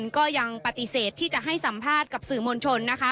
ก็ยังปฏิเสธที่จะให้สัมภาษณ์กับสื่อมวลชนนะคะ